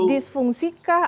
jadi ada disfungsi kah